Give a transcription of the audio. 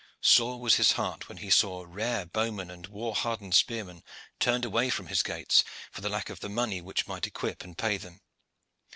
Sore was his heart when he saw rare bowmen and war hardened spearmen turned away from his gates, for the lack of the money which might equip and pay them.